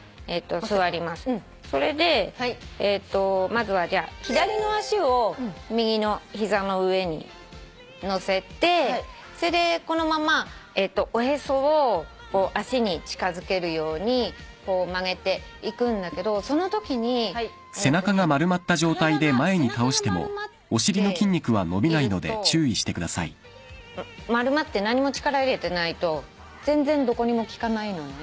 それでまずは左の足を右の膝の上にのせてそれでこのままおへそを足に近づけるようにこう曲げていくんだけどそのときに体が背中が丸まっていると丸まって何も力入れてないと全然どこにも効かないのね。